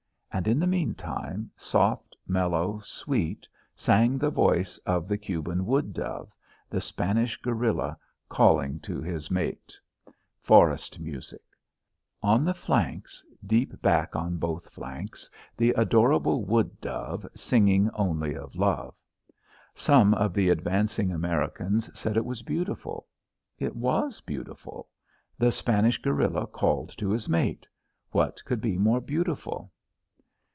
And in the meantime, soft, mellow, sweet, sang the voice of the Cuban wood dove, the Spanish guerilla calling to his mate forest music; on the flanks, deep back on both flanks, the adorable wood dove, singing only of love. Some of the advancing Americans said it was beautiful. It was beautiful. The Spanish guerilla calling to his mate. What could be more beautiful?